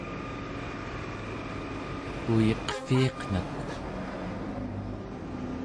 uyiqviiqnak!